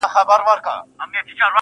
د ژوندون ساه د ژوند وږمه ماته كړه.